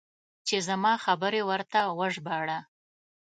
چې زما خبرې ورته وژباړه.